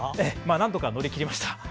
なんとか乗り切りました。